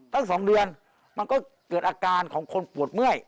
ตั้ง๒เดือนมันก็เกิดอาการของคนปวดเมื่อย